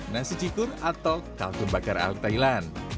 nasi cikur atau kalkun bakar ala thailand